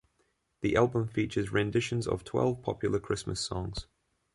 The album features renditions of twelve popular Christmas songs.